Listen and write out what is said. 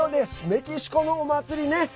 メキシコのお祭りね。